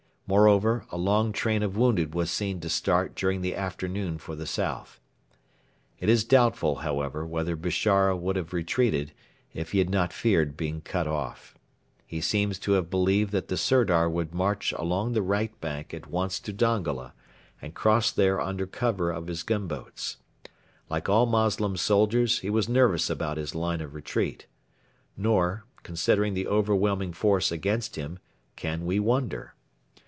Moreover, a long train of wounded was seen to start during the afternoon for the south. It is doubtful, however, whether Bishara would have retreated, if he had not feared being cut off. He seems to have believed that the Sirdar would march along the right bank at once to Dongola, and cross there under cover of his gunboats. Like all Moslem soldiers, he was nervous about his line of retreat. Nor, considering the overwhelming force against him, can we wonder.